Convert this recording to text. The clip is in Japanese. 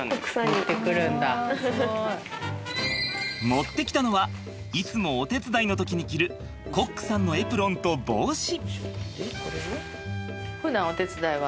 持ってきたのはいつもお手伝いの時に着るコックさんのエプロンと帽子。